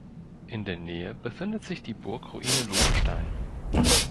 In der Nähe befindet sich die Burgruine Lobenstein.